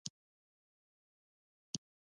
ایا مصنوعي ځیرکتیا د انسان او وسیلې کرښه نه نری کوي؟